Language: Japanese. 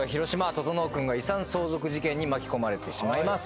整君が遺産相続事件に巻き込まれてしまいます。